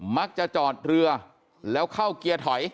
มักจะจอดเรือแล้วเข้าเกียร์ถอย